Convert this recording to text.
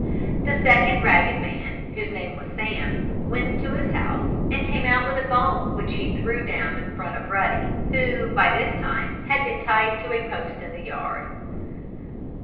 The second ragged man whose name was Sam, went into his house and came out with a bone which he threw down in front of Ruddy, who, by this time, had been tied to a post in the yard.